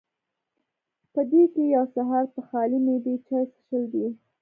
پۀ دې کښې يو سحر پۀ خالي معده چائے څښل دي